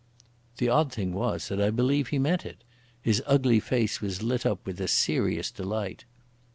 The odd thing was that I believe he meant it. His ugly face was lit up with a serious delight.